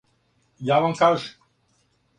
Ја вам кажем.